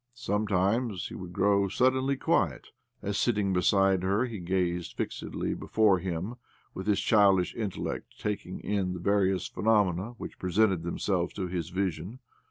Sometimes he would grow suddenly quiet as, sitting beside her, he gazed fixedly before him with his childish intellect taking in the various phenomena which presented them selves to his vision.